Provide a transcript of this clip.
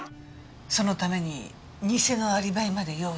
そのために偽のアリバイまで用意して。